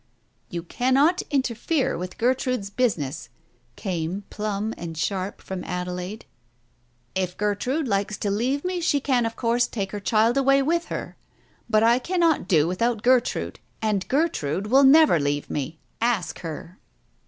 "You cannot interfere with Gertrude's business," came plumb and sharp from Adelaide. " If Gertrude likes to leave me, she can of course take her child away with her. But I cannot do without Gertrude, and Gertrude will never leave me. Ask her."